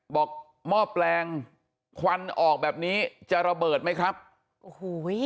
หม้อแปลงควันออกแบบนี้จะระเบิดไหมครับโอ้โห